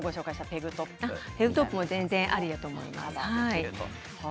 ペグトップも全然ありだと思います。